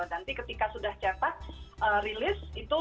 jadi nanti ketika sudah catak rilis itu